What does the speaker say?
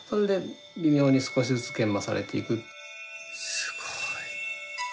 すごい。